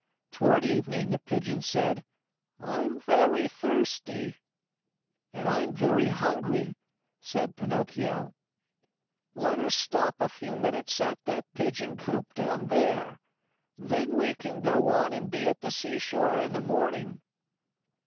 Toward evening the Pigeon said: "I'm very thirsty!" "And I'm very hungry!" said Pinocchio. "Let us stop a few minutes at that pigeon coop down there. Then we can go on and be at the seashore in the morning."